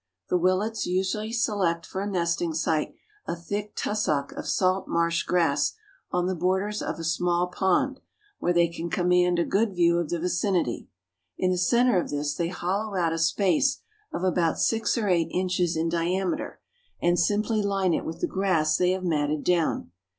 The Willets usually select for a nesting site a thick tussock of salt marsh grass on the borders of a small pond, where they can command a good view of the vicinity. In the center of this they hollow out a space of about six or eight inches in diameter, and simply line it with the grass they have matted down.